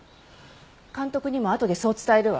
監督にもあとでそう伝えるわ。